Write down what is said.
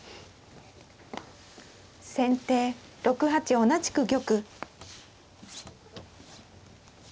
先手６八同じく玉。